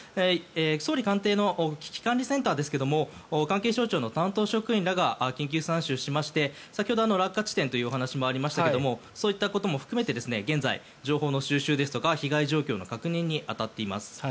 総理官邸の危機管理センターですが関係省庁の担当職員らが緊急参集しまして先ほど、落下地点というお話もありましたがそういったことも含めて現在、情報の収集ですとか被害状況の確認に当たっています。